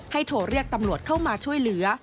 โทรเรียกตำรวจเข้ามาช่วยเหลือ